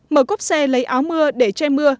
mở cốp xe lấy áo mưa để che mưa